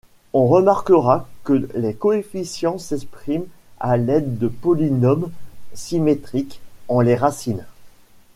On remarquera que les coefficients s'expriment à l'aide de polynômes symétriques en les racines.